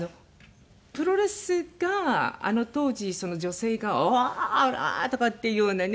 プロレスがあの当時女性が「おらー！」とかっていうようなね